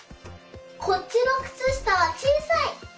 こっちのくつしたはちいさい。